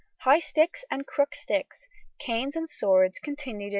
High sticks and crook sticks, canes and swords continued in use.